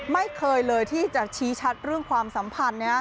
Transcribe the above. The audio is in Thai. ไม่เคยเลยที่จะชี้ชัดเรื่องความสัมพันธ์